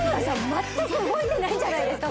全く動いてないんじゃないですか？